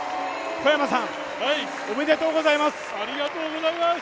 小山さん、おめでとうございます。